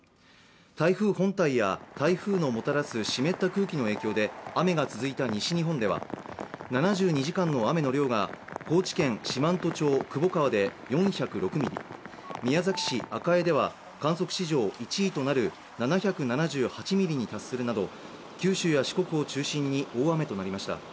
台風本体や台風のもたらす湿った空気の影響で雨が続いた西日本では、７２時間の雨の量が高知県四万十町窪川で４０６ミリ、宮崎市赤江では観測史上１位となる７７８ミリに達するなど九州や四国を中心に大雨となりました。